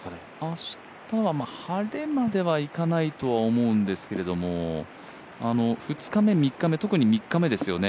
明日は晴れまではいかないと思うんですけれども２日目、３日目、特に３日目ですよね。